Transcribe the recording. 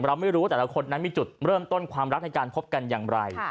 ไม่รู้ว่าแต่ละคนนั้นมีจุดเริ่มต้นความรักในการพบกันอย่างไร